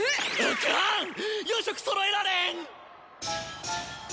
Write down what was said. ４色そろえられん！